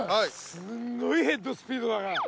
すんごいヘッドスピードだから。